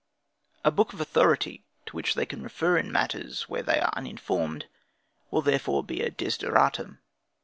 A book of authority, to which they can refer in matters where they are uninformed, will therefore be a desideratum.